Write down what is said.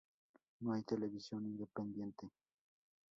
No hay televisión independiente".